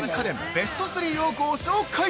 ベスト３をご紹介！